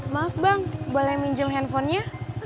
maaf bang boleh minjem handphonenya